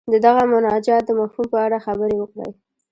د دغه مناجات د مفهوم په اړه خبرې وکړي.